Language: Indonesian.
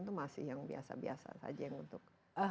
itu masih yang biasa biasa saja yang untuk